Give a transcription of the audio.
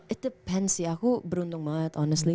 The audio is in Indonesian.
it depends ya aku beruntung banget honestly